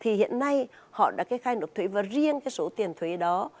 thì hiện nay họ đã khai nộp thuế và riêng số tiền thuế đó